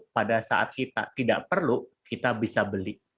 pada saat kita tidak perlu kita bisa beli